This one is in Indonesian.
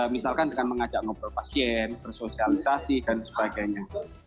misalkan dengan mengajak ngobrol pasien bersosialisasi dan sebagainya